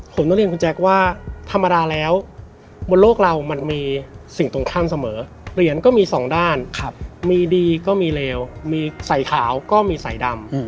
ผมต้องเรียนคุณแจ๊คว่าธรรมดาแล้วบนโลกเรามันมีสิ่งตรงข้ามเสมอเหรียญก็มีสองด้านมีดีก็มีเลวมีใส่ขาวก็มีใส่ดำ